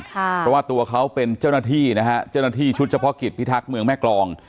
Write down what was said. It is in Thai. เพราะว่าตัวเขาเป็นเจ้าหน้าที่นะฮะเจ้าหน้าที่ชุดเฉพาะกิจพิทักษ์เมืองแม่กรอง